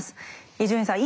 伊集院さん